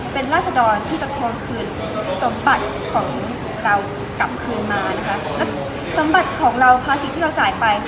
เป็นราศดรที่จะทวงคืนสมบัติของเรากลับคืนมานะคะแล้วสมบัติของเราภาษีที่เราจ่ายไป